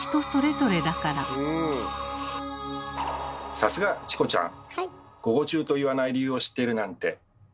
さすがチコちゃん。